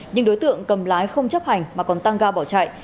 nhưng đối tượng cầm lái không chấp hành mà còn tăng ga bỏ chạy